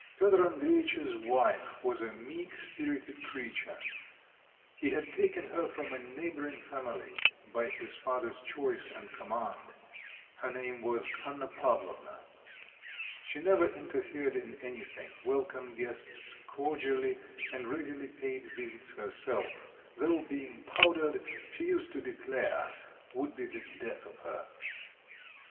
Piotr Andreitch's wife was a meek spirited creature; he had taken her from a neighbouring family by his father's choice and command; her name was Anna Pavlovna. She never interfered in anything, welcomed guests cordially, and readily paid visits herself, though being powdered, she used to declare, would be the death of her.